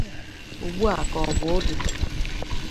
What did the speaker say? Ugbu a ka bụ oge